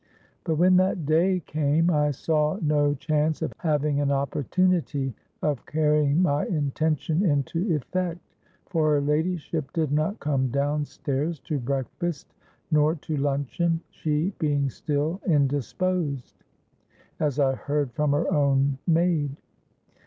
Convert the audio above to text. But when that day came, I saw no chance of having an opportunity of carrying my intention into effect;—for her ladyship did not come down stairs to breakfast nor to luncheon, she being still indisposed, as I heard from her own maid.